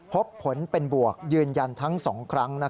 พบผลเป็นบวกยืนยันทั้ง๒ครั้ง